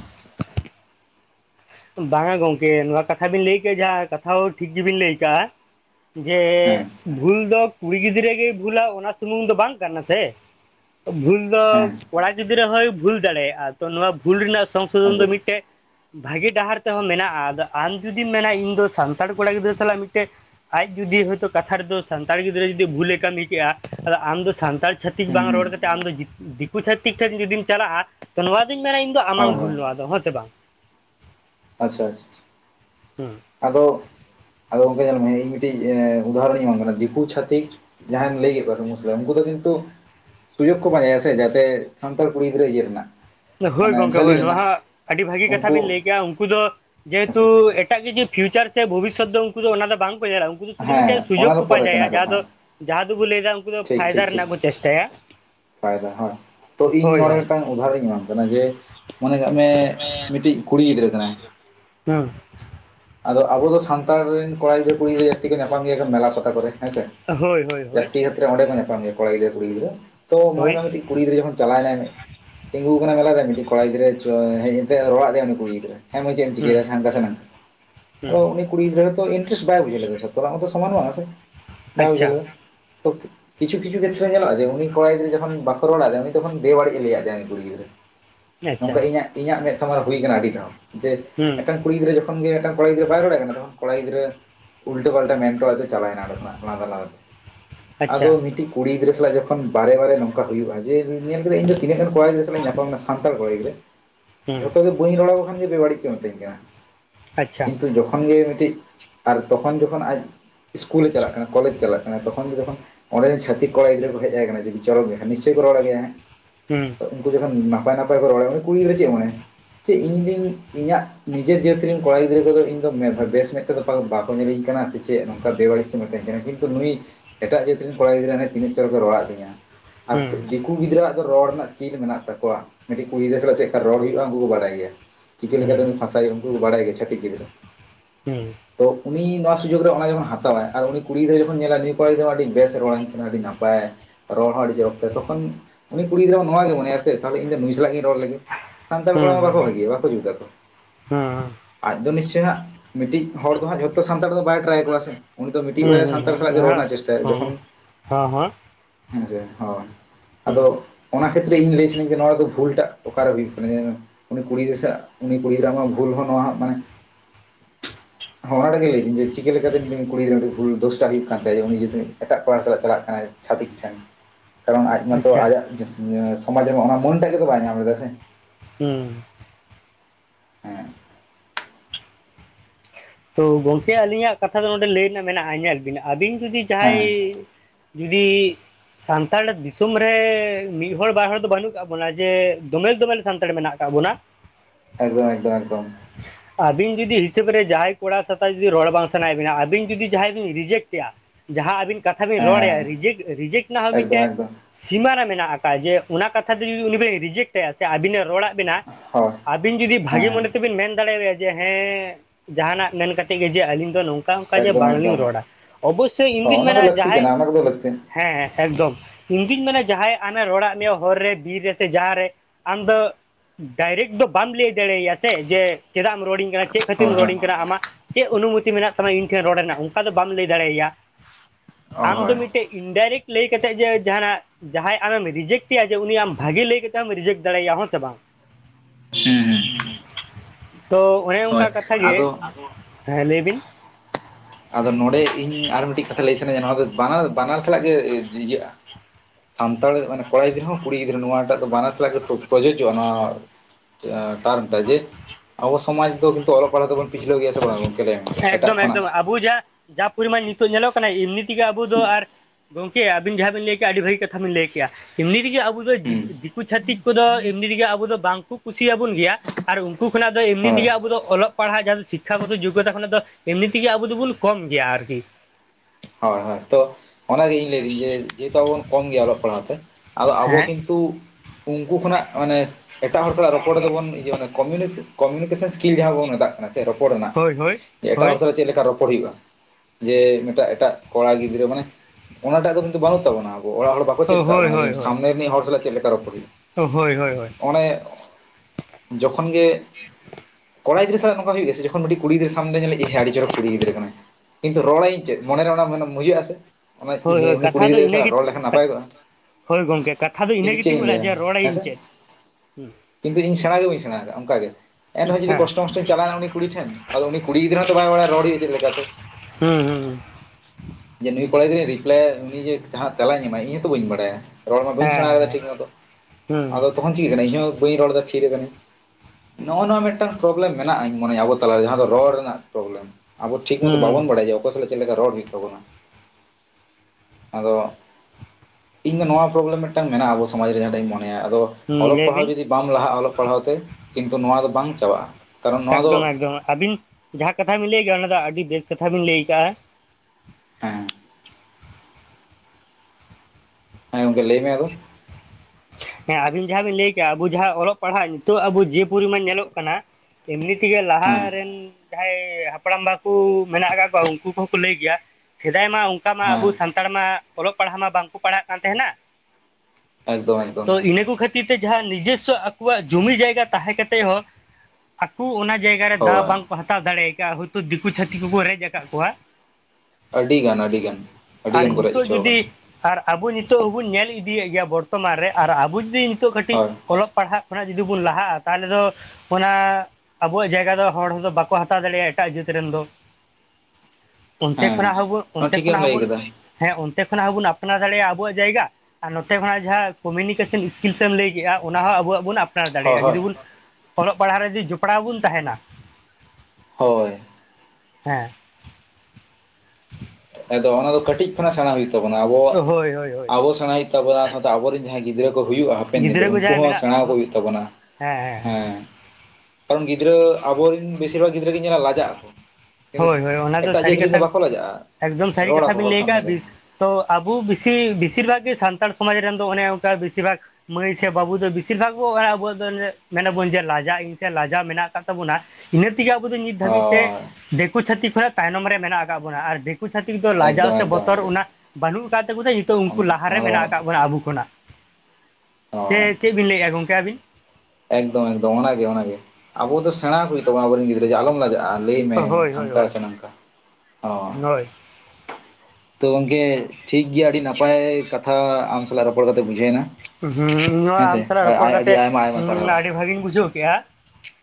ᱵᱟᱝᱟ ᱜᱚᱝᱠᱮ ᱱᱚᱣᱟ ᱠᱟᱛᱷᱟ ᱵᱤᱱ ᱞᱟᱹᱭ ᱠᱟᱜᱼᱟ ᱡᱟᱦᱟᱸ ᱠᱟᱛᱷᱟ ᱦᱚᱸ ᱴᱷᱤᱠ ᱜᱮᱵᱤᱱ ᱞᱟᱹᱭ ᱟᱠᱟᱟᱜᱼᱟ᱾ ᱡᱮ ᱦᱮᱸ ᱵᱷᱩᱞ ᱫᱚ ᱠᱩᱲᱤ ᱜᱤᱫᱽᱨᱟᱹ ᱜᱮ ᱵᱷᱩᱞᱟ ᱚᱱᱟ ᱥᱩᱢᱩᱝ ᱫᱚ ᱵᱟᱝ ᱠᱟᱱᱟ ᱥᱮ᱾ ᱵᱷᱩᱞ ᱫᱚ ᱦᱮᱸ ᱠᱚᱲᱟ ᱜᱤᱫᱽᱨᱟᱹ ᱦᱚᱸᱭ ᱵᱷᱩᱞ ᱫᱟᱲᱮᱭᱟᱜᱼᱟ ᱛᱚ ᱱᱚᱣᱟ ᱵᱷᱩᱞ ᱨᱮᱱᱟᱜ ᱥᱚᱝᱥᱳᱫᱷᱚᱱ ᱟᱪᱪᱷᱟ ᱫᱚ ᱢᱤᱫᱴᱮᱡ ᱵᱷᱟᱜᱤ ᱰᱟᱦᱟᱨ ᱛᱮᱦᱚᱸ ᱢᱮᱱᱟᱜᱼᱟ ᱟᱫᱚ ᱟᱢ ᱡᱩᱫᱤᱢ ᱢᱮᱱᱟ ᱤᱧ ᱫᱚ ᱥᱟᱱᱛᱟᱲ ᱠᱚᱲᱟ ᱜᱤᱫᱽᱨᱟᱹ ᱥᱟᱞᱟᱜ ᱢᱤᱫᱴᱮᱡ ᱟᱡ ᱡᱩᱫᱤ ᱦᱚᱭ ᱛᱳ ᱠᱟᱛᱷᱟ ᱨᱮᱫᱚ ᱥᱟᱱᱛᱟᱲ ᱜᱤᱫᱽᱨᱟᱹ ᱡᱩᱫᱤ ᱵᱷᱩᱞᱮ ᱠᱟᱹᱢᱤ ᱠᱮᱜᱼᱟ ᱟᱫᱚ ᱟᱢ ᱫᱚ ᱥᱟᱱᱛᱟᱲ ᱪᱷᱟᱹᱛᱤᱠ ᱦᱩᱸ ᱵᱟᱝ ᱦᱩᱸ ᱨᱚᱲ ᱠᱟᱛᱮ ᱟᱢ ᱫᱚ ᱡᱮ ᱫᱤᱠᱩ ᱪᱷᱟᱛᱤᱠ ᱴᱷᱮᱱ ᱡᱩᱫᱤᱢ ᱪᱟᱞᱟᱜᱼᱟ ᱱᱚᱣᱟ ᱫᱩᱧ ᱢᱮᱱᱟ ᱤᱧ ᱦᱳᱭ ᱟᱢᱟᱝ ᱦᱳᱭ ᱵᱷᱩᱞ ᱱᱚᱣᱟ ᱫᱚ, ᱦᱚᱸ ᱥᱮ ᱵᱟᱝ? ᱟᱪᱪᱷᱟ ᱪᱷᱟ ᱦᱩᱸ ᱟᱫᱚ, ᱟᱫᱚ ᱜᱚᱝᱠᱮ ᱧᱮᱞᱢᱮ ᱤᱧ ᱠᱟᱴᱤᱡ ᱩᱫᱟᱦᱚᱨᱚᱱ ᱤᱧ ᱮᱢᱟᱢ ᱠᱟᱱᱟ ᱫᱤᱠᱩ ᱪᱷᱟᱛᱤᱠ ᱡᱟᱦᱟᱸᱭᱮᱢ ᱞᱟᱹᱭ ᱠᱮᱫ ᱠᱚᱣᱟ ᱥᱮ ᱢᱩᱥᱞᱟᱹ ᱩᱱᱠᱩ ᱫᱚ ᱠᱤᱱᱛᱩ ᱥᱩᱡᱳᱜᱽ ᱠᱚ ᱯᱟᱸᱡᱟᱭᱟ ᱥᱮ ᱡᱟᱛᱮ ᱥᱟᱱᱛᱟᱲ ᱠᱩᱲᱤ ᱜᱤᱫᱽᱨᱟᱹ ᱤᱭᱟᱹ ᱨᱮᱱᱟᱜ᱾ ᱦᱳᱭ ᱢᱟᱱᱮ ᱜᱚᱝᱠᱮ ᱡᱷᱟᱹᱞᱤ ᱦᱳᱭ ᱱᱚᱣᱟ ᱨᱮᱱᱟᱜ ᱦᱟᱸᱜ ᱟᱹᱰᱤ ᱵᱷᱟᱹᱜᱤ ᱠᱟᱛᱷᱟ ᱵᱤᱱ ᱩᱱᱠᱩ ᱞᱟᱹᱭ ᱠᱮᱜᱼᱟ ᱩᱱᱠᱩ ᱫᱚ ᱦᱮᱸᱥᱮ ᱡᱮᱦᱮᱛᱩ ᱮᱴᱟᱜ ᱠᱤᱪᱷᱩ ᱯᱷᱤᱭᱩᱪᱟᱨ ᱥᱮ ᱵᱷᱚᱵᱤᱥᱚᱛ ᱫᱚ ᱩᱱᱠᱩ ᱫᱚ ᱚᱱᱟ ᱫᱚ ᱵᱟᱝᱠᱚ ᱧᱮᱞᱟ ᱩᱱᱠᱩ ᱫᱚ ᱥᱩᱫᱩ ᱢᱤᱫᱴᱮᱱ ᱦᱮᱸ ᱚᱱᱟ ᱥᱩᱡᱳᱜᱽ ᱫᱚ ᱠᱚ ᱯᱚᱨᱮ ᱯᱟᱸᱡᱟᱭᱟ ᱛᱮᱱᱟᱜ ᱡᱟᱦᱟᱸ ᱠᱟᱛᱷᱟ ᱫᱚ ᱡᱟᱦᱟᱸ ᱫᱚᱵᱚ ᱞᱟᱹᱭ ᱫᱟ ᱴᱷᱤᱠ, ᱴᱷᱤᱠ, ᱴᱷᱤᱠ, ᱯᱷᱟᱭᱫᱟ ᱦᱳᱭ ᱛᱚ ᱤᱧ ᱦᱳᱭ ᱱᱚᱰᱮ ᱦᱳᱭ ᱢᱤᱫᱴᱟᱝ ᱩᱫᱟᱦᱚᱨᱚᱱ ᱤᱧ ᱮᱢᱟᱢ ᱠᱟᱱᱟ ᱡᱮ ᱢᱚᱱᱮ ᱠᱟᱜ ᱢᱮ ᱢᱤᱫᱴᱤᱡ ᱠᱩᱲᱤ ᱜᱤᱫᱽᱨᱟᱹ ᱠᱟᱱᱟᱭ ᱦᱩᱸ ᱟᱫᱚ ᱟᱵᱚ ᱫᱚ ᱥᱟᱱᱛᱟᱲ ᱨᱮᱱ ᱠᱚᱲᱟ ᱜᱤᱫᱽᱨᱟᱹ ᱠᱩᱲᱤ ᱜᱤᱫᱽᱨᱟᱹ ᱡᱟᱹᱥᱛᱤ ᱠᱚ ᱧᱟᱯᱟᱢ ᱜᱮᱭᱟ ᱠᱚ ᱢᱮᱞᱟ ᱯᱟᱛᱟ ᱠᱚᱨᱮ ᱦᱮᱸᱥᱮ, ᱦᱳᱭ, ᱦᱳᱭ, ᱦᱳᱭ᱾ ᱪᱮ ᱠᱷᱮᱛᱨᱮ ᱚᱸᱰᱮ ᱠᱚ ᱧᱟᱯᱟᱢ ᱜᱮᱭᱟ ᱠᱚᱲᱟ ᱜᱤᱫᱽᱨᱟᱹ ᱠᱩᱲᱤ ᱜᱤᱫᱨᱟᱹ ᱛᱚ ᱢᱚᱱᱮ ᱦᱳᱭ ᱠᱟᱜ ᱢᱤᱫᱴᱤᱡ ᱠᱩᱲᱤ ᱜᱤᱫᱽᱨᱟᱹ ᱡᱚᱠᱷᱚᱱ ᱪᱟᱞᱟᱣᱱᱟᱭ ᱛᱤᱸᱜᱩ ᱠᱟᱱᱟᱭ ᱢᱮᱞᱟᱨᱮ ᱢᱤᱫᱴᱤᱡ ᱠᱚᱲᱟ ᱜᱤᱫᱽᱨᱟᱹ ᱪᱚ ᱦᱮᱡ ᱮᱱ ᱛᱮ ᱨᱚᱲ ᱟᱫᱮᱭᱟᱭ ᱠᱩᱲᱤ ᱜᱤᱫᱽᱨᱟᱹ᱾ ᱦᱮᱸ ᱢᱟᱹᱭ ᱪᱮᱫ ᱮᱢ ᱪᱤᱠᱟᱹᱭ ᱦᱩᱸ ᱫᱟ ᱦᱟᱝᱠᱟ ᱥᱮ ᱱᱟᱝᱠᱟ, ᱦᱩᱸ ᱛᱚ ᱩᱱᱤ ᱠᱩᱲᱤ ᱜᱤᱫᱽᱨᱟᱹ ᱛᱚ ᱤᱱᱴᱟᱨᱮᱥ ᱵᱟᱭ ᱵᱩᱡᱷᱟᱹᱣ ᱞᱮᱫᱟ ᱡᱷᱚᱛᱚ [unintelligible] [unintelligible] ᱥᱚᱢᱟᱱ [unintelligible] ᱥᱮ ᱵᱟᱭ ᱵᱩᱡᱷᱟᱣ ᱟᱪᱪᱷᱟ ᱞᱮᱫᱟ ᱛᱚ ᱠᱤᱪᱷᱩ ᱠᱤᱪᱷᱩ ᱠᱷᱮᱛᱨᱮ ᱧᱮᱞᱚᱜ ᱟ ᱡᱮ ᱩᱱᱤ ᱠᱚᱲᱟ ᱜᱤᱫᱨᱟᱹ ᱡᱮᱠᱷᱚᱱ ᱵᱟᱠᱚ ᱨᱚᱲ ᱟᱫᱮᱭᱟ ᱩᱱᱤ ᱛᱚᱠᱷᱚᱱ ᱵᱮᱼᱵᱟᱲᱤᱡ ᱮ ᱞᱟᱹᱭᱟ ᱟᱫᱮᱭᱟ ᱩᱱᱤ ᱠᱩᱲᱤ ᱜᱤᱽᱨᱟᱹ᱾ ᱱᱚᱝᱠᱟ ᱟᱪᱪᱷᱟ ᱤᱧᱟᱹᱜ, ᱤᱧᱟᱹᱜ ᱢᱮᱫ ᱥᱟᱢᱟᱝ ᱦᱩᱭᱠᱟᱱᱟ ᱟᱹᱰᱤ ᱫᱷᱟᱹᱳ ᱡᱮ ᱦᱩᱸ ᱢᱮᱫᱴᱟᱝ ᱠᱩᱲᱤ ᱜᱤᱫᱽᱟᱹ ᱡᱚᱠᱷᱚᱱ ᱜᱮ ᱢᱮᱫᱴᱟᱝ ᱠᱚᱲᱟ ᱜᱤᱫᱽᱨ ᱵᱟᱭ ᱨᱚᱲᱟᱭ ᱠᱟᱱᱟ ᱛᱚ ᱠᱚᱲᱟ ᱜᱤᱫᱽᱨᱟᱹ ᱩᱞᱴᱟ ᱯᱟᱞᱴᱟ ᱢᱮᱱᱴᱚ ᱠᱟᱛᱮ ᱪᱟᱞᱟᱭᱮᱱᱟᱭ ᱟᱫᱚ ᱢᱟ ᱞᱟᱸᱫᱟ ᱞᱟᱸᱫᱟ ᱛᱮ ᱟᱪᱪᱷᱟ ᱟᱫᱚ ᱢᱤᱜᱴᱤᱜ ᱠᱩᱲᱤ ᱜᱤᱫᱽᱨᱟᱹ ᱥᱟᱞᱟᱜ ᱡᱚᱠᱷᱚᱱ ᱵᱟᱨᱮ ᱵᱟᱨᱮ ᱱᱚᱝᱠᱟ ᱦᱩᱭᱩᱜᱼᱟ ᱡᱮ ᱧᱮᱞ ᱛᱮᱫᱟ ᱤᱧ ᱫᱚ ᱛᱤᱱᱟᱹᱜ ᱜᱟᱱ ᱠᱚᱲᱟ ᱜᱤᱫᱽᱨᱟᱹ ᱥᱟᱞᱟᱜ ᱤᱧ ᱧᱟᱯᱟᱢ ᱱᱟ ᱥᱟᱱᱛᱟᱲ ᱠᱚᱲᱟ ᱜᱤᱫᱽᱨᱟᱹ, ᱦᱩᱸ ᱡᱚᱛᱚ ᱜᱮ ᱵᱟᱹᱧ ᱨᱚᱲ ᱟᱠᱚ ᱠᱷᱟᱱ ᱜᱮ ᱵᱮ-ᱵᱟᱹᱲᱤᱡ ᱠᱚ ᱢᱤᱛᱟᱹᱧ ᱠᱟᱱᱟ ᱟᱪᱪᱷᱟ ᱠᱤᱱᱛᱩ ᱡᱚᱠᱷᱟᱱ ᱠᱷᱚᱱ ᱜᱮ ᱢᱤᱜᱴᱤᱡ ᱟᱨ ᱛᱚᱠᱷᱚᱱ ᱡᱚᱠᱷᱚᱱ ᱟᱡ ᱤᱥᱠᱩᱞᱮ ᱪᱟᱞᱟᱜ ᱠᱟᱱᱟ ᱠᱚᱞᱮᱡᱽ ᱪᱟᱞᱟᱜ ᱠᱟᱱᱟ ᱛᱚᱠᱷᱚᱱ [unintelligible] ᱡᱚᱠᱷᱚᱱ ᱚᱸᱰᱮ ᱪᱟᱹᱤᱠ ᱠᱚᱲᱟ ᱜᱤᱫᱽᱟᱹ ᱠᱚ ᱦᱮᱡ ᱟᱭ ᱠᱟᱱᱟ ᱡᱮᱤ ᱪᱚᱨᱚᱠ ᱜᱮ ᱟᱭᱟ ᱱᱤᱥᱪᱭ ᱠᱚ ᱨᱚᱲ ᱟᱭ ᱜᱮᱭᱟ-ᱦᱟᱸ ᱦᱩᱸ ᱩᱱᱠᱩ ᱡᱚᱠᱷᱚᱱ ᱱᱟᱯᱟᱭ ᱱᱟᱯᱟᱭ ᱠᱚ ᱨᱚᱲᱟᱭᱟ ᱩᱱᱤ ᱠᱩᱲᱤ ᱜᱤᱫᱟᱹᱨ ᱪᱮᱜ ᱢᱚᱱᱮᱭᱟ ᱪᱮᱜ ᱤᱧᱨᱮᱱ ᱤᱧᱟᱹᱜ ᱱᱤᱡᱮᱨ ᱡᱟᱹᱛᱤ ᱨᱮᱱ ᱠᱚᱲᱟ ᱜᱤᱫᱽᱨᱟᱹ ᱠᱚᱫᱚ ᱤᱧ ᱫᱚ ᱵᱮᱥ ᱢᱮ ᱵᱟᱠᱚ ᱧᱮᱞᱤᱧ ᱠᱟᱱᱟ ᱥᱮ ᱪᱮᱜ ᱱᱚᱝᱠᱟ ᱵᱮᱵᱟᱹᱲᱤᱡ ᱠᱚ ᱢᱤᱛᱟᱹᱧ ᱠᱟᱱᱟ ᱠᱤᱱᱛᱩ ᱱᱩᱭ ᱮᱴᱟᱜ ᱡᱟᱹᱛ ᱨᱮᱱ ᱠᱚᱲᱟ ᱜᱤᱫᱽᱨᱟᱹ ᱦᱟᱱᱮ ᱛᱤᱱᱟᱹᱜ ᱪᱚᱨᱚᱠ ᱮ ᱨᱚᱲᱟᱜ ᱫᱤᱧᱟ ᱟᱨ ᱦᱩᱸ ᱫᱤᱠᱩ ᱜᱤᱫᱽᱨᱟᱹᱣᱟᱜ ᱫᱚ ᱨᱚᱲ ᱨᱮᱱᱟᱜ ᱥᱠᱤᱞ ᱢᱮᱱᱟᱜ ᱛᱟᱠᱚᱣᱟ ᱢᱤᱜᱴᱤᱡ ᱠᱩᱲᱤ ᱜᱤᱫᱽᱨᱟᱹ ᱥᱟᱞᱟᱜ ᱪᱮᱜᱠᱟ ᱨᱚᱲ ᱦᱩᱭᱩᱜᱼᱟ ᱩᱱᱠᱩ ᱠᱚ ᱵᱟᱰᱟᱭ ᱜᱮᱭᱟ ᱪᱤᱠᱟᱹ ᱞᱮᱠᱟᱛᱮ ᱦᱩᱸ ᱩᱱᱤ ᱯᱷᱟᱥᱟᱭ-ᱟ ᱩᱱᱠᱩ ᱠᱚ ᱵᱟᱲᱟᱭ ᱜᱮᱭᱟ ᱪᱷᱟᱛᱤᱠ ᱜᱤᱫᱽᱨᱟᱹ ᱦᱩᱸ ᱛᱚ ᱩᱱᱤ ᱱᱚᱣᱟ ᱥᱩᱡᱳᱜᱽ ᱨᱮ ᱚᱱᱟ ᱡᱚᱠᱷᱚᱱ ᱦᱟᱛᱟᱣᱟᱭ ᱟᱨ ᱩᱱᱤ ᱠᱩᱲᱤᱫᱨᱟᱹ ᱡᱚᱠᱷᱚᱱ ᱧᱮᱞᱟᱭ ᱡᱮ ᱠᱚᱲᱟ ᱜᱤᱫᱽᱨᱟᱹ ᱢᱟ ᱟᱰᱤ ᱵᱮᱥ ᱮ ᱨᱚᱲᱟᱹᱧ ᱠᱟᱱᱟ ᱟᱰᱤ ᱱᱟᱯᱟᱭ ᱨᱚᱲ ᱦᱚᱸ ᱟᱹᱰᱤ ᱡᱚᱨᱚᱠ ᱛᱟᱭᱟ ᱛᱚᱠᱷᱚᱱ ᱩᱱᱤ ᱠᱩᱲᱤ ᱜᱤᱫᱽᱨᱟᱹ ᱱᱚᱣᱟ ᱜᱮ ᱢᱚᱱᱮᱭᱟᱭ ᱥᱮ ᱛᱟᱦᱞᱮ ᱤᱧ ᱫᱚ ᱱᱩᱭ ᱥᱟᱞᱟᱜ ᱜᱤᱧ ᱨᱚᱲ ᱞᱮᱜᱮ ᱥᱟᱱᱛᱟᱲ ᱠᱚᱲᱟ ᱢᱟ ᱵᱟᱠᱚ ᱵᱷᱟᱜᱤ ᱵᱟᱠᱚ ᱡᱩᱛᱟᱠᱚ ᱦᱩᱸᱻ ᱟᱡ ᱫᱚ ᱱᱤᱥᱪᱳᱭ ᱦᱟᱸᱜ ᱢᱤᱜᱴᱤᱡ ᱦᱚᱲ ᱫᱚ ᱦᱟᱸᱜ ᱡᱷᱚᱛᱚ ᱥᱟᱱᱛᱟᱲ ᱫᱚ ᱵᱟᱭ ᱴᱨᱟᱭ ᱠᱚᱣᱟ ᱥᱮ ᱩᱱᱤ ᱫᱚ ᱢᱤᱜᱴᱤᱡ ᱦᱩᱸ ᱵᱟᱨᱭᱟ ᱦᱩᱸ ᱥᱟᱱᱛᱟᱲ ᱦᱩᱸ ᱥᱟᱞᱟᱜ ᱨᱚᱲ ᱱᱟᱜ ᱦᱟᱸ ᱡᱚᱠᱷ ᱦᱚᱸ ᱦᱚᱸ ᱦᱚᱸ ᱦᱮᱸᱥᱮ ᱦᱳᱭ ᱦᱩᱸ ᱟᱫᱚ ᱚᱱᱟ ᱠᱷᱮᱛᱨᱮ ᱤᱧ ᱞᱟᱹᱭ ᱥᱟᱱᱟᱧ ᱠᱟᱱᱟ ᱚᱱᱟ ᱫᱚ ᱵᱷᱩᱞ ᱴᱟᱜ ᱚᱠᱟᱨᱮ ᱦᱩᱭᱩᱜ ᱠᱟᱱᱟ ᱧᱮᱞ ᱩᱱᱤ ᱠᱩᱲᱤᱫᱨᱟᱹ ᱥᱟᱜ ᱩᱱᱤ ᱠᱩᱲ ᱜᱤᱫᱨᱟᱹ ᱟᱢᱟᱜ ᱵᱷᱩᱞ ᱦᱚᱸ ᱱᱚᱣᱟ ᱢᱟᱱᱮ ᱦᱚᱸᱜᱱᱚᱰᱮ ᱜᱮ ᱡᱮ ᱪᱤᱠᱟᱹ ᱞᱮᱠᱟᱛᱮ ᱠᱩᱲᱤ ᱫᱤᱱ [unintelligible] ᱵᱷᱩᱞ ᱫᱚᱥᱴᱟ ᱦᱩᱭᱩᱜ ᱠᱟᱱ ᱩᱱᱤ ᱡᱩᱫᱤ ᱮᱴᱟᱜ ᱠᱚᱲᱟ ᱥᱟᱞᱟᱜ ᱪᱟᱞᱟᱜ ᱠᱟᱱᱟᱭ ᱪᱷᱟᱹᱛᱤᱠ ᱴᱷᱮᱱ ᱠᱟᱨᱚᱱ ᱟᱡ ᱢᱟᱛᱚ ᱟᱪᱪᱷᱟ ᱟᱭᱟᱜ ᱥᱚᱢᱟᱡᱽ ᱨᱮ ᱚᱱᱟ ᱢᱟᱹᱱ ᱴᱟᱜ ᱜᱮᱛᱚ ᱵᱟᱭ ᱧᱟᱢ ᱞᱮᱫᱟᱭ ᱥᱮ ᱦᱩᱸ ᱦᱮᱸ ᱛᱚ ᱜᱚᱝᱠᱮ ᱟᱹᱞᱤᱧᱟᱜ ᱠᱟᱛᱷᱟ ᱫᱚ ᱚᱰᱮ ᱞᱟᱹᱭ ᱨᱮᱱᱟᱜ ᱢᱮᱱᱟᱜᱼᱟ ᱧᱮᱞ ᱵᱤᱱ ᱟᱹᱵᱤᱱ ᱡᱩᱫᱤ ᱦᱮᱸ ᱡᱟᱦᱟᱸᱭ ᱡᱩᱫᱤ ᱥᱟᱱᱛᱟᱲ ᱫᱤᱥᱚᱢ ᱨᱮ ᱢᱤᱜ ᱦᱚᱲ ᱵᱟᱨ ᱦᱚᱲ ᱫᱚ ᱵᱟᱹᱱᱩᱜ ᱠᱟᱜ ᱵᱚᱱᱟ ᱡᱮ ᱫᱚᱢᱮᱞ ᱫᱚᱢᱮᱞ ᱥᱟᱱᱛᱟᱲ ᱢᱮᱱᱟᱜ ᱛᱟᱵᱚᱱᱟ ᱮᱠᱫᱚᱢ ᱮᱠᱫᱚᱢ ᱮᱠᱫᱚᱢ ᱟᱹᱵᱤᱱ ᱡᱩᱫᱤ ᱦᱤᱥᱟᱹᱵ ᱨᱮ ᱡᱟᱦᱟᱸᱭ ᱠᱚᱲᱟ ᱥᱟᱛᱮ ᱡᱩᱫᱤ ᱨᱚᱲ ᱵᱟᱝ ᱥᱟᱱᱟᱭᱮᱫ ᱵᱤᱱᱟ ᱟᱹᱵᱤᱱ ᱡᱩᱫᱤ ᱡᱟᱦᱟᱭ ᱵᱤᱱ ᱨᱤᱡᱮᱠᱴ ᱮᱭᱟ ᱡᱟᱦᱟ ᱟᱹᱵᱤᱱ ᱠᱟᱛᱷᱟ ᱵᱤᱱ ᱦᱮᱸ ᱨᱚᱲ ᱦᱮᱸ ᱮᱜᱼᱟ ᱦᱮᱸ ᱨᱤᱡᱮᱠᱴ ᱨᱤᱡᱮᱠᱴ ᱨᱮᱱᱟᱜ ᱦᱚᱸ ᱮᱠᱫᱚᱢ ᱢᱤᱫᱴᱮᱜ ᱮᱠᱫᱚᱢ ᱥᱤᱢᱟ ᱨᱮ ᱢᱮᱱᱟᱜ ᱠᱟᱜ-ᱟ ᱡᱮ ᱚᱱᱟ ᱠᱟᱛᱷᱟ ᱛᱮ ᱡᱩᱫᱤ ᱩᱱᱤ ᱵᱤᱱ ᱨᱤᱡᱮᱠᱴᱮᱭᱟ ᱥᱮ ᱟᱹᱵᱤᱱᱮ ᱨᱚᱲ ᱟᱜ ᱵᱤᱱᱟ ᱦᱳᱭ ᱟᱹᱵᱤᱱ ᱡᱩᱫᱤ ᱵᱷᱟᱜᱤ ᱦᱮᱸ ᱢᱚᱱᱮ ᱛᱮᱵᱤᱱ ᱢᱮᱱ ᱫᱟᱲᱮᱣᱟᱭᱟ ᱡᱮ ᱦᱮᱸ ᱡᱟᱦᱟᱱᱟᱜ ᱢᱮᱱ ᱠᱟᱛᱮ ᱜᱮ ᱡᱮ ᱟᱹᱞᱤᱧ ᱫᱚ ᱱᱚᱝᱠᱟ ᱱᱚᱝ ᱚᱝᱠᱟ ᱡᱮ ᱮᱠᱫᱚᱢ ᱵᱟᱝᱞᱤᱧ ᱮᱠᱫᱚᱢ ᱨᱚᱲᱟ ᱚᱵᱚᱥᱥᱳᱭ ᱦᱳᱭ ᱤᱧᱫᱩᱧ ᱚᱱᱟ ᱫᱚ ᱢᱮᱱᱟ ᱞᱟᱹᱠᱛᱤ ᱡᱟᱦᱟᱸᱭ, ᱠᱟᱱᱟ ᱚᱱᱟ ᱠᱚᱫᱚ ᱞᱟᱹᱠᱛᱤ ᱦᱮᱸ ᱦᱮᱸ ᱮᱠᱫᱚᱢ ᱤᱧᱫᱩᱧ ᱢᱮᱱᱟ ᱡᱟᱦᱟᱸᱭ ᱟᱢᱮ ᱨᱚᱲᱟᱜ ᱢᱮᱭᱟ ᱦᱚᱨ ᱨᱮ ᱵᱤᱨ ᱨᱮ ᱥᱮ ᱡᱟᱦᱟ ᱨᱮ ᱟᱢ ᱫᱚ ᱰᱟᱭᱨᱮᱠᱴ ᱫᱚ ᱵᱟᱢ ᱞᱟᱹᱭ ᱫᱟᱲᱮᱣᱭᱟ ᱥᱮ ᱡᱮ ᱪᱮᱫᱟᱜ ᱮᱢ ᱨᱚᱲᱤᱧ ᱠᱟᱱᱟ ᱪᱮᱜ ᱦᱳᱭ ᱠᱷᱟᱹᱛᱤᱨᱮᱢ ᱦᱳᱭ ᱨᱚᱲᱤᱧ ᱠᱟᱱᱟ ᱟᱢᱟᱜ ᱪᱮᱫ ᱚᱱᱩᱢᱚᱛᱤ ᱢᱮᱱᱟᱜ ᱛᱟᱢᱟ ᱤᱧ ᱴᱷᱮᱱ ᱨᱚᱲ ᱨᱮᱱᱟᱜ ᱚᱱᱠᱟ ᱫᱚ ᱵᱟᱢ ᱞᱟᱹᱭ ᱫᱟᱲᱮᱭᱟᱭᱟ ᱟᱢ ᱫᱚ ᱦᱳᱭ ᱢᱤᱜᱴᱮᱜ ᱤᱱᱰᱟᱭᱨᱮᱠᱴ ᱞᱟᱹᱭ ᱠᱟᱛᱮ ᱡᱮ ᱡᱟᱦᱟᱱᱟᱜ ᱡᱟᱦᱟᱸᱭ ᱟᱢᱮᱢ ᱨᱤᱡᱮᱠᱴᱮᱭᱟ ᱡᱮ ᱩᱱᱤ ᱟᱢ ᱵᱷᱟᱜᱮ ᱞᱟᱹᱭ ᱠᱟᱛᱮᱢ ᱨᱤᱡᱮᱠᱴ ᱫᱟᱲᱮᱭᱟᱭᱟ ᱦᱚᱸ ᱥᱮ ᱵᱟᱝ? ᱦᱩᱸ ᱦᱩᱸ ᱛᱚ ᱦᱳᱭ ᱚᱭᱮᱝᱠᱟ ᱠᱟᱛᱷᱟ ᱜᱮ, ᱟᱫᱚ ᱦᱮᱸ ᱞᱟᱹᱭ ᱵᱤᱱ ᱟᱫᱚ ᱱᱚᱸᱰᱮ ᱤᱧ ᱟᱨ ᱢᱤᱴᱤᱜ ᱠᱟᱛᱷᱟ ᱞᱟᱹᱭ ᱥᱟᱱᱟᱧᱟ ᱱᱚᱣᱟ ᱫᱚ ᱵᱟᱱᱟᱨ ᱵᱟᱱᱟᱨ ᱥᱟᱞᱟᱜ ᱜᱮ ᱤᱭᱟᱹᱜᱼᱟ ᱥᱟᱱᱛᱟᱲ ᱢᱟᱱᱮ ᱠᱚᱲᱟ ᱜᱤᱫᱽᱨᱟᱹ ᱦᱚᱸ ᱠᱩᱲᱤ ᱜᱤᱫᱽᱨᱟᱹ ᱱᱚᱣᱟᱴᱟᱜ ᱫᱚ ᱵᱟᱱᱟᱨᱥᱞᱟᱜ ᱜᱮ ᱯᱨᱚᱡᱳᱡᱚᱼᱟ ᱱᱚᱣᱟ [unintelligible] ᱡᱮ ᱟᱵᱚ ᱥᱚᱢᱟᱡᱽ ᱫᱚ ᱠᱤᱱᱛᱩ ᱚᱞ ᱯᱲᱟ ᱫᱚᱵᱚᱱ ᱯᱤᱪᱷᱟᱹᱣ ᱜᱮᱭᱟ ᱥᱮ ᱵᱟᱝ ᱜᱚᱝᱠᱮ ᱞᱟᱹᱭ ᱢᱮ ᱮᱴᱟᱜ ᱠᱷᱚᱱᱟᱜ? ᱯᱩᱡᱟ ᱡᱟ ᱯᱚᱨᱤᱢᱟᱱ ᱱᱤᱛᱚᱜ ᱧᱮᱞᱚᱜ ᱠᱟᱱᱟ ᱮᱢᱱᱤ ᱛᱮᱜᱮ ᱟᱵᱚ ᱫᱚ ᱟᱨ ᱜᱚᱢᱠᱮ ᱟᱹᱵᱤᱱ ᱡᱟᱦᱟᱸ ᱵᱤᱱ ᱞᱟᱹᱭ ᱠᱮᱜᱼᱟ ᱟᱹᱰᱤ ᱵᱷᱟᱹᱜᱤ ᱠᱟᱛᱷᱟ ᱵᱤᱱ ᱞᱟᱹᱭ ᱠᱮᱜᱼᱟ ᱮᱢᱱᱤ ᱨᱮᱜᱮ ᱟᱵᱚ ᱫᱚ ᱦᱩᱸ ᱫᱤᱠᱩ ᱪᱷᱟᱹᱛᱤᱠ ᱠᱚ ᱫᱚ ᱮᱢᱱᱤ ᱛᱮᱜᱮ ᱟᱵᱚ ᱫᱚ ᱵᱟᱝ ᱠᱚ ᱠᱩᱥᱤᱭᱟᱵᱚᱱ ᱜᱮᱭᱟ ᱟᱨ ᱩᱱᱠᱩ ᱠᱷᱚᱱᱟᱜ ᱫᱚ ᱮᱢᱱᱤ ᱦᱳᱭ ᱛᱮᱜᱮ ᱟᱵᱚ ᱫᱚ ᱚᱞᱚᱜ ᱯᱟᱲᱦᱟᱜᱼᱟ ᱡᱟᱦᱟᱸ ᱫᱚ ᱥᱤᱠᱠᱷᱟ ᱜᱚᱛᱚ ᱡᱳᱜᱚᱛᱟ ᱠᱷᱱᱟᱜ ᱫᱚ ᱮᱢᱱᱤ ᱛᱮᱜᱮ ᱟᱵᱚ ᱫᱚᱵᱚᱱ ᱠᱚᱢ ᱜᱮᱭᱟ ᱟᱨᱠᱤ᱾ ᱦᱳᱭ ᱦᱳᱭ ᱛᱚ ᱚᱱᱟᱜᱮ ᱤᱧ ᱞᱟᱹᱭᱫᱟᱹᱧ ᱡᱮ ᱡᱦᱮᱛᱩ ᱟᱵᱚᱱ ᱠᱚᱢ ᱜᱮᱭᱟ ᱚᱞᱚᱜ ᱯᱟᱲᱦᱟᱶ ᱛᱮ ᱟᱫᱚ ᱟᱵᱚ ᱦᱮᱸ ᱠᱤᱱᱛᱩ ᱩᱱᱠᱩ ᱠᱷᱚᱱᱟᱜ ᱢᱟᱱᱮ ᱮᱴᱟᱜ ᱦᱚᱲ ᱥᱟᱞᱟᱜ ᱨᱚᱯᱚᱲ ᱫᱚᱵᱚᱱ ᱤᱭᱟᱹ ᱢᱟᱱᱮ [inaudible] ᱟᱹᱠᱤᱞ ᱡᱟᱦᱟᱸ ᱵᱚᱱ ᱢᱮᱛᱟᱜ ᱠᱟᱱᱟ ᱥᱮ ᱨᱚᱯᱚᱲ ᱨᱮᱱᱟᱜ ᱦᱳᱭ ᱦᱳᱭ ᱮᱴᱟᱜ ᱦᱳᱭ ᱦᱚᱲ ᱥᱟᱞᱟᱜ ᱪᱮᱫ ᱞᱮᱠᱟ ᱨᱚᱯᱚᱲ ᱦᱩᱭᱩᱜᱼᱟ, ᱡᱮ ᱢᱤᱫᱴᱟᱜ ᱮᱴᱟᱜ ᱠᱚᱲᱟ ᱜᱤᱫᱽᱨᱟᱹ ᱢᱟᱱᱮ ᱚᱱᱟᱴᱟᱜ ᱫᱚ ᱠᱤᱱᱛᱩ ᱵᱟᱹᱱᱩᱜ ᱛᱟᱵᱚᱱᱟ ᱟᱵᱚ, ᱚᱲᱟᱜ ᱦᱚᱲ ᱵᱟᱠᱚ ᱪᱮᱫ ᱦᱳᱭ ᱠᱟᱜ ᱦᱳᱭ ᱵᱱᱟ ᱡᱮ ᱦᱳᱭ ᱥᱟᱢᱱᱮ ᱨᱤᱱᱤᱡ ᱦᱚᱲ ᱥᱟᱞᱟᱜ ᱪᱮᱫ ᱞᱮᱠᱟ ᱨᱚᱯᱚᱲ ᱦᱩᱭᱩᱜᱼᱟ᱾ ᱦᱳᱭ ᱦᱳᱭ ᱦᱳᱭ ᱚᱱᱮ ᱡᱚᱠᱷᱚᱱ ᱜᱮ ᱠᱚᱲᱟ ᱜᱤᱫᱽᱨᱟᱹ ᱥᱟᱞᱟᱜ ᱱᱚᱝᱠᱟ ᱦᱩᱭᱩᱜᱼᱟ ᱥᱮ ᱡᱚᱠᱷᱚᱱ ᱢᱤᱫᱴ ᱠᱩᱲᱤ ᱜᱤᱫᱽᱨᱟᱹ ᱥᱟᱢᱱᱮ ᱧᱮᱞᱮ ᱮᱭᱟ ᱟᱹᱰᱤ ᱪᱮᱚᱨᱠ ᱠᱩᱲᱤ ᱜᱤᱫᱽᱨᱟᱹ ᱠᱟᱱᱟᱭ ᱠᱤᱱᱛᱩ ᱨᱚᱲ ᱟᱹᱤᱧ ᱪᱮᱫ, ᱢᱚᱱᱮᱨᱮ ᱚᱱᱟ ᱤᱭᱟᱹᱟ ᱥᱮ ᱚᱱᱟ ᱦᱳᱭ ᱦᱮ ᱦᱳᱭ ᱩᱱᱤ ᱠᱩᱲᱤ ᱠᱟᱛᱷᱟ ᱫᱚ ᱜᱤᱫᱽᱨᱟᱹ ᱥᱟᱞᱟᱜ ᱤᱱᱟᱹᱜᱮ ᱨᱚᱲ ᱞᱮᱠᱷᱟᱱ ᱱᱟᱯᱟᱭ ᱠᱚᱜᱼᱟ᱾ ᱦᱳᱭ ᱜᱚᱢᱠᱮ ᱠᱟᱛᱷᱟ ᱫᱚ ᱤᱱᱟᱹ ᱠᱤᱱᱛᱩ ᱜᱮ ᱪᱮᱫ ᱤᱧ ᱛᱤᱜᱩᱱᱟ ᱞᱟᱹᱭᱟ ᱡᱮ ᱨᱚᱲ ᱟᱹᱤᱧ ᱦᱮᱸᱥᱮ ᱪᱮᱫ? ᱠᱤᱱᱛᱩ ᱤᱧ ᱥᱮᱬᱟ ᱜᱮ ᱵᱟᱹᱧ ᱥᱮᱬᱟᱠᱟᱸᱜᱼᱟ ᱚᱱᱠᱟ ᱜᱮ, ᱮᱱᱦᱚᱸ ᱡᱩᱫᱤ ᱦᱮᱸ ᱠᱚᱥᱴᱚ ᱢᱚᱥᱴᱚᱧ ᱪᱟᱞᱟᱣᱱᱟ ᱩᱱᱤ ᱠᱩᱲᱤ ᱴᱷᱮᱱ ᱟᱫᱚ ᱩᱱᱤ ᱠᱩᱲᱤ ᱜᱤᱫᱽᱨᱟᱹ ᱦᱚᱸ ᱛᱚ ᱵᱟᱭ ᱵᱟᱲᱟᱭᱟ ᱨᱚᱲ ᱦᱩᱭᱩᱜᱼᱟ ᱪᱮᱫ ᱞᱮᱠᱟᱛᱮ? ᱦᱩᱸ ᱦᱩᱸ ᱡᱮ ᱱᱩᱭ ᱠᱚᱲᱟ ᱜᱤᱫᱽᱨᱟᱹ ᱨᱤᱯᱞᱟᱭ ᱩᱱᱤ ᱡᱮ ᱡᱟᱦᱟᱸ ᱱᱟᱜ ᱛᱮᱟᱞᱟᱧ ᱮᱢᱟᱭ ᱤᱧ ᱦᱚᱸᱛᱚ ᱵᱟᱹᱧ ᱵᱟᱲᱟᱭᱟ᱾ ᱨᱚᱲ ᱢᱟ ᱵᱟᱹᱧ ᱥᱮᱬᱟ ᱟᱠᱟᱫᱟ ᱦᱮᱸ ᱴᱷᱤᱠ ᱢᱚᱛᱚ ᱦᱮᱸ ᱟᱫᱚ ᱛᱚᱠᱷᱚᱱ ᱪᱤᱠᱟᱹᱜ ᱠᱟᱱᱟ ᱤᱧᱦᱚ ᱵᱟᱹᱧ ᱨᱚᱲ ᱫᱟ ᱯᱷᱤᱨ ᱠᱟᱹᱱᱤᱧ, ᱱᱚᱜᱼ ᱱᱚᱣᱟ ᱢᱤᱫᱴᱟᱝ ᱯᱨᱚᱵᱞᱮᱢ ᱢᱮᱱᱟᱜᱼᱟ ᱢᱚᱱᱮᱭᱟ ᱟᱵᱚ ᱛᱟᱞᱟᱨᱮ ᱡᱟᱦᱟᱸ ᱫᱚ ᱨᱚᱲ ᱨᱮᱱᱟᱜ ᱯᱨᱚᱵᱞᱮᱢ᱾ ᱟᱵᱚ ᱴᱷᱤᱠ ᱞᱮᱠᱟ ᱵᱟᱵᱚᱱ ᱦᱩᱸ ᱵᱟᱲᱟᱭᱟ ᱚᱠᱚᱭ ᱥᱟᱞᱟᱜ ᱪᱮᱫ ᱞᱮᱠᱟ ᱨᱚᱲ ᱦᱩᱭᱩᱜ ᱛᱟᱵᱚᱱᱟ᱾ ᱟᱫᱚ ᱤᱧ ᱫᱚ ᱱᱚᱣᱟ ᱯᱨᱚᱵᱞᱮᱢ ᱢᱤᱫᱟᱝ ᱢᱮᱱᱟᱜᱼᱟ ᱟᱵᱚ ᱥᱚᱢᱟᱡ ᱨᱮ ᱡᱟᱦᱟᱸᱴᱟᱜ ᱤᱧ ᱢᱚᱱᱮᱭᱟ ᱟᱫᱚ ᱦᱩᱸ ᱚᱞᱚᱜ ᱞᱟᱹᱭ ᱯᱟᱲᱦᱟᱣ ᱵᱤᱱ ᱡᱩᱫᱤ ᱵᱟᱢ ᱞᱟᱦᱟᱜᱼᱟ ᱚᱞᱚᱜ ᱯᱟᱲᱦᱟᱣ ᱛᱮ ᱠᱤᱱᱛᱩ ᱱᱚᱣᱟ ᱫᱚ ᱵᱟᱝ ᱪᱟᱵᱟᱜᱼᱟ᱾ ᱠᱟᱨᱚᱱ ᱱᱚᱣᱟ ᱫᱚ ᱮᱠᱫᱚᱢ ᱮᱠᱫᱚᱢ ᱟᱹᱵᱤᱱ ᱡᱟᱦᱟᱸ ᱠᱟᱛᱷᱟ ᱵᱤᱱ ᱞᱟᱹᱭ ᱠᱟᱜᱼᱟ ᱚᱱᱟ ᱫᱚ ᱟᱹᱰᱤ ᱵᱮᱥ ᱠᱟᱛᱷᱟ ᱵᱤᱱ ᱞᱟᱹᱭ ᱠᱟᱜᱼᱟ᱾ ᱦᱮᱸ ᱦᱮᱸ ᱜᱚᱝᱠᱮ ᱞᱟᱹᱭᱢᱮ ᱟᱫᱚ ᱦᱮᱸ ᱟᱹᱵᱤᱱ ᱡᱟᱦᱟᱸ ᱵᱤᱱ ᱞᱟᱹᱭ ᱠᱟᱜᱼᱟ ᱟᱵᱚ ᱡᱟᱦᱟᱸ ᱚᱞᱚᱜ ᱯᱟᱲᱦᱟᱜ ᱱᱤᱛᱚᱜ ᱟᱵᱚ ᱡᱮ ᱯᱚᱨᱤᱢᱟᱱ ᱧᱮᱞᱚᱜ ᱠᱟᱱᱟ ᱮᱢᱱᱤ ᱮᱢᱱᱤ ᱛᱮᱜᱮ ᱞᱟᱦᱟ ᱦᱮᱸ ᱨᱮᱱ ᱡᱟᱦᱟᱸᱭ ᱦᱟᱯᱲᱟᱢ ᱵᱟᱠᱚ ᱢᱮᱱᱟᱜ ᱟᱠᱟᱫ ᱠᱚᱣᱟ ᱩᱱᱠᱩ ᱠᱚᱦᱚᱸ ᱠᱚ ᱞᱟᱹᱭ ᱜᱮᱭᱟ, ᱥᱮᱫᱟᱭ ᱢᱟ ᱚᱝᱠᱟ ᱢᱟ ᱦᱮᱸ ᱟᱵᱚ ᱥᱟᱱᱛᱟᱲ ᱢᱟ ᱚᱞᱚᱜ ᱯᱟᱲᱦᱟᱣ ᱢᱟ ᱵᱟᱝᱠᱚ ᱯᱟᱲᱦᱟᱜ ᱠᱟᱱ ᱛᱟᱦᱮᱱᱟ᱾ ᱮᱠᱫᱚᱢ ᱮᱠᱫᱚᱢ ᱛᱚ ᱤᱱᱟᱹ ᱠᱚ ᱠᱷᱟᱹᱛᱤᱨ ᱛᱮ ᱡᱟᱦᱟᱸ ᱱᱤᱡᱮᱥᱥᱚ ᱟᱠᱚᱣᱟᱜ ᱡᱚᱢᱤ ᱡᱟᱭᱜᱟ ᱛᱟᱦᱮᱸ ᱠᱟᱛᱮ ᱦᱚᱸ ᱟᱠᱚ ᱚᱱᱟ ᱡᱟᱭᱜᱟ ᱨᱮ ᱫᱟᱣ ᱦᱳᱭ ᱵᱟᱝᱠᱚ ᱦᱟᱛᱟᱣ ᱫᱟᱲᱮ ᱟᱠᱟᱫᱼᱟ ᱦᱚᱭᱛᱳ ᱫᱤᱠᱩ ᱪᱷᱟᱛᱤᱠ ᱠᱚᱠᱚ ᱨᱮᱡ ᱟᱠᱟᱫ ᱠᱚᱣᱟ᱾ ᱟᱹᱰᱤ ᱜᱟᱱ ᱟᱹᱰᱤ ᱜᱟᱱ ᱟᱹᱰᱤ ᱟᱨ ᱜᱟᱱ ᱠᱚ ᱨᱮᱡ ᱱᱤᱛᱚᱜ ᱦᱚᱪᱚ ᱟᱠᱟᱱᱟ᱾ ᱡᱩᱫᱤ ᱟᱨ ᱟᱵᱚ ᱱᱤᱛᱚᱜ ᱦᱚᱸᱵᱚᱱ ᱧᱮᱞ ᱤᱫᱤᱭᱮᱫ ᱜᱮᱭᱟ ᱵᱚᱨᱛᱚᱢᱟᱱ ᱨᱮ ᱟᱨ ᱟᱵᱚ ᱡᱩᱫᱤ ᱱᱤᱛᱚᱜ ᱠᱟᱹᱴᱤᱡ ᱦᱳᱭ ᱚᱞᱚᱜ ᱯᱟᱲᱦᱟᱜ [inaudible] ᱡᱩᱫᱤ ᱵᱚᱱ ᱞᱟᱦᱟᱼᱟ ᱛᱟᱦᱚᱞᱮ ᱫᱚ ᱚᱱᱟ ᱟᱵᱚᱣᱟᱜ ᱡᱟᱭᱜᱟ ᱫᱚ ᱦᱚᱲᱫᱚ ᱵᱟᱠᱚ ᱦᱟᱛᱟᱣ ᱫᱟᱲᱮᱭᱟᱜᱼᱟ ᱮᱴᱟᱜ ᱡᱟᱹᱛ ᱨᱮᱱ ᱫᱚ᱾ ᱚᱱᱛᱮ ᱦᱮᱸ ᱠᱷᱚᱱᱟᱜ ᱦᱚᱸᱵᱚᱱ ᱦᱚᱸ ᱚᱱᱛᱮ ᱴᱷᱤᱠ ᱜᱮᱢ ᱠᱷᱚᱱᱟᱜ ᱞᱟᱹᱭ ᱦᱚᱸᱵᱚᱱ ᱠᱟᱫᱟ ᱦᱮᱸ ᱚᱱᱛᱮ ᱠᱷᱚᱱᱟᱜ ᱦᱚᱸᱵᱚᱱ ᱟᱯᱱᱟᱨ ᱫᱟᱲᱮᱭᱟᱜᱼᱟ ᱟᱵᱚᱣᱟᱜ ᱡᱟᱭᱜᱟ, ᱟᱨ ᱱᱚᱛᱮ ᱠᱷᱚᱱᱟᱜ ᱡᱟᱦᱟᱸ ᱠᱩᱢᱤᱱᱤᱠᱮᱥᱮᱱ ᱤᱥᱠᱤᱞᱥ ᱮᱢ ᱞᱟᱹᱭ ᱠᱮᱜᱼᱟ ᱚᱱᱟ ᱦᱚᱸᱚᱸ ᱟᱵᱚᱣᱟᱜ ᱵᱚᱱ ᱟᱯᱱᱟᱨ ᱦᱳᱭ ᱫᱟᱲᱮᱭᱟᱜᱼᱟ, ᱦᱳᱭ ᱡᱩᱫᱤ ᱵᱚᱱ ᱚᱞᱚᱜ ᱯᱟᱲᱦᱟᱜ ᱨᱮ ᱡᱩᱫᱤ ᱡᱚᱯᱲᱟᱣ ᱵᱚᱱ ᱛᱟᱦᱮᱱᱟ᱾ ᱦᱳᱭ ᱦᱮᱸ ᱟᱫᱚ ᱚᱱᱟ ᱫᱚ ᱠᱟᱹᱴᱤᱡ ᱠᱷᱚᱱᱟᱜ ᱥᱮᱬᱟ ᱦᱩᱭᱩᱜ ᱛᱟᱵᱚᱱᱟ ᱟᱵᱚ ᱦᱳᱭ ᱦᱳᱭ ᱦᱳᱭ ᱟᱵᱚ ᱥᱮᱬᱟ ᱦᱩᱭᱩᱜ ᱛᱟᱵᱚᱱᱟ᱾ ᱟᱵᱚᱨᱮᱱ ᱡᱟᱦᱟᱸᱭ ᱜᱤᱫᱽᱨᱟᱹ ᱠᱚ ᱦᱩᱭᱩᱜᱼᱟ ᱦᱟᱯᱮᱱ ᱫᱤᱱ ᱨᱮ ᱜᱤᱫᱽᱨᱟᱹ ᱠᱚ ᱩᱱᱠᱩ ᱡᱟᱦᱟᱸᱭ ᱦᱚᱸ ᱢᱮᱱᱟᱜ ᱥᱮᱬᱟ ᱟᱠᱚ ᱦᱩᱭᱩᱜ ᱛᱟᱵᱚᱱᱟ᱾ ᱦᱮᱸ ᱠᱟᱨᱚᱱ ᱜᱤᱫᱽᱨᱟᱹ ᱟᱵᱚᱨᱮᱱ ᱵᱮᱥᱤᱨ ᱵᱷᱟᱜᱽ ᱜᱤᱫᱽᱨᱟᱹ ᱜᱮᱧ ᱧᱮᱞᱟ ᱞᱟᱡᱟᱜ ᱟᱠᱚ, ᱠᱤᱱᱛᱩ ᱦᱳᱭ ᱦᱳᱭ ᱚᱱᱟ ᱮᱴᱟᱜ ᱥᱟᱹᱨᱤ ᱡᱟᱹᱛ ᱨᱮᱱ ᱫᱚ ᱠᱟᱛᱷᱟ ᱵᱟᱠᱚ ᱞᱟᱡᱟᱜᱼᱟ᱾ ᱮᱠᱫᱚᱢ ᱥᱟᱹᱨᱤ ᱨᱚᱲ ᱠᱟᱛᱷᱟ ᱟᱠᱚ ᱵᱤᱱ ᱦᱚᱲ ᱞᱟᱹᱭ ᱥᱟᱢᱱᱮ ᱨᱮ ᱟᱠᱟᱫᱼᱟ᱾ ᱛᱚ ᱟᱵᱚ ᱵᱮᱥᱤ ᱵᱮᱥᱤᱨ ᱵᱷᱟᱜ ᱜᱮ ᱥᱟᱱᱛᱟᱲ ᱥᱚᱢᱟᱡᱽ ᱨᱮᱱ ᱫᱚ ᱚᱱᱮ ᱚᱱᱠᱟ ᱵᱮᱥᱤᱨ ᱵᱷᱟᱜᱽ ᱢᱟᱹᱭ ᱥᱮ ᱵᱟᱹᱵᱩ ᱫᱚ ᱵᱮᱥᱤᱨ ᱵᱷᱟᱜᱽ ᱵᱚ [unintelligible] ᱟᱵᱚᱣᱟᱜ ᱫᱚ ᱢᱮᱱᱟᱵᱚᱱ ᱡᱮ ᱞᱟᱡᱟᱜ ᱤᱧ ᱥᱮ ᱞᱟᱡᱟ ᱡᱟ ᱢᱮᱱᱟᱜ ᱠᱟᱫ ᱛᱟᱵᱚᱱᱟ ᱤᱱᱟᱹ ᱛᱮᱜᱮ ᱟᱵᱩ ᱫᱚ ᱱᱤᱛ ᱫᱷᱟᱹᱵᱤᱡ ᱛᱮ ᱦᱳᱭ ᱫᱤᱠᱩ ᱪᱷᱟᱹᱛᱤᱠ ᱠᱷᱚᱱᱟᱜ ᱛᱟᱭᱱᱚᱢ ᱨᱮ ᱢᱮᱱᱟᱜ ᱠᱟᱫ ᱵᱚᱱᱟ ᱟᱨ ᱫᱤᱠᱩ ᱪᱷᱟᱛᱤᱠ ᱫᱚ ᱞᱟᱡᱟᱣ ᱮᱠᱫᱚᱢ ᱥᱮ ᱮᱠᱫᱚᱢ ᱵᱚᱛᱚᱨ ᱮᱠᱫᱚᱢ ᱚᱱᱟ ᱵᱟᱹᱱᱩᱜ ᱠᱟᱫ ᱛᱟᱠᱚ ᱛᱮ ᱱᱤᱛᱚᱜ ᱩᱱᱠᱩ ᱞᱟᱦᱟᱨᱮ ᱚᱱᱟ ᱫᱚ ᱢᱮᱱᱟᱜ ᱵᱟᱹᱱᱩᱜ ᱠᱟ ᱵᱚᱱᱟ ᱟᱵᱩ ᱠᱷᱚᱱᱟᱜ ᱥᱮ ᱛᱟᱠᱚᱣᱟ᱾ ᱦᱳᱭ ᱪᱮᱫ ᱵᱤᱱ ᱞᱟᱹᱭᱮᱫᱼᱟ ᱜᱚᱢᱠᱮ ᱟᱹᱵᱤᱱ? ᱮᱠᱫᱚᱢ ᱮᱠᱫᱚᱢ ᱚᱱᱟᱜᱮ ᱚᱱᱟᱜᱮ ᱟᱵᱚ ᱫᱚ ᱥᱮᱬᱟ ᱟᱠᱚ ᱦᱩᱭᱩᱜ ᱛᱟᱵᱚᱱᱟ ᱟᱵᱚᱨᱮᱱ ᱜᱤᱫᱽᱨᱟᱹ ᱡᱮ ᱟᱞᱚᱢ ᱞᱟᱡᱟᱜᱼᱟ ᱞᱟᱹᱭ ᱢᱮ ᱦᱳᱭ ᱦᱳᱭ ᱦᱳᱭ ᱦᱟᱱᱠᱟ ᱦᱳᱭ ᱥᱮ ᱱᱚᱝᱠᱟ, ᱦᱚᱸ ᱛᱚ ᱜᱚᱝᱠᱮ ᱴᱷᱤᱠ ᱜᱮᱭᱟ ᱟᱹᱰᱤ ᱱᱟᱯᱟᱭ ᱠᱟᱛᱷᱟ ᱟᱢ ᱥᱟᱞᱟᱜ ᱨᱚᱯᱚᱲ ᱠᱟᱛᱮ ᱵᱩᱡᱷᱟᱹᱣ ᱮᱱᱟ ᱦᱩᱸ ᱤᱧ ᱦᱚᱸ ᱟᱢ ᱦᱮᱸᱥᱮ ᱥᱟᱞᱟᱜ ᱨᱚᱯᱚᱲ ᱟᱹᱰᱤ ᱠᱟᱛᱮ ᱟᱭᱢᱟ ᱟᱭᱢᱟ ᱩ ᱥᱟᱨᱦᱟᱣ ᱟᱹᱰᱤ ᱵᱷᱟᱹᱜᱤᱧ ᱵᱩᱡᱷᱟᱹᱣ ᱠᱮᱫᱼᱟ